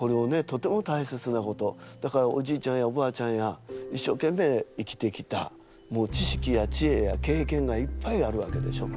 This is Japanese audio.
とても大切なことだからおじいちゃんやおばあちゃんやいっしょうけんめい生きてきたもう知識や知恵や経験がいっぱいあるわけでしょ。